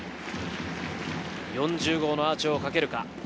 ４０号のアーチをかけるか。